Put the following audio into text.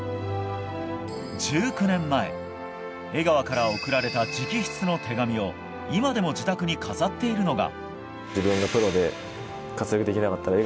１９年前、江川から贈られた直筆の手紙を今でも自宅に飾っているのが。